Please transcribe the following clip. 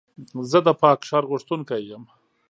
زه د پاک ښار غوښتونکی یم.